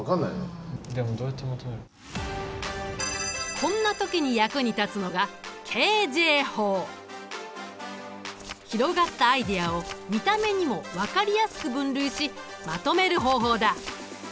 こんな時に役に立つのが広がったアイデアを見た目にも分かりやすく分類しまとめる方法だ。